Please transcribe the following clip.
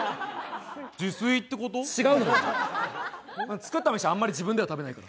作ったメシ、あんまり自分では食べないから。